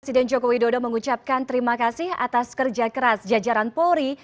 presiden joko widodo mengucapkan terima kasih atas kerja keras jajaran polri